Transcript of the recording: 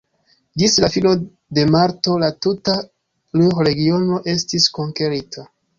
Ĝis la fino de marto la tuta Ruhr-Regiono estis konkerita.